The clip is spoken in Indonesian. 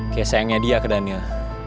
kayak sayangnya dia ke daniel